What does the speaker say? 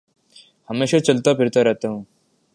ہمیشہ چلتا پھرتا رہتا ہوں